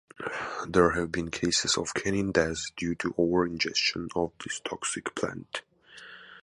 There have been cases of canine death due to over-ingestion of this toxic plant.